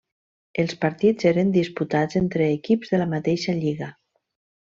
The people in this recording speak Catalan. Els partits eren disputats entre equips de la mateixa lliga.